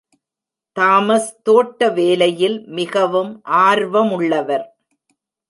Thomas தோட்ட வேலையில் மிகவும் ஆர்வமுள்ளவர்.